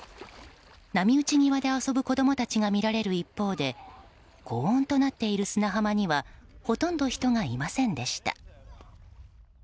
波打ち際で遊ぶ子供たちが見られる一方で高温となっている砂浜にはほとんど人がいませんでした。